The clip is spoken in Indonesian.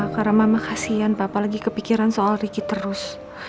karena mama kasihan papa lagi kepikiran soal ricky terus